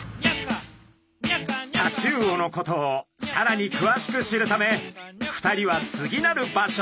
タチウオのことをさらにくわしく知るため２人は次なる場所を目指します。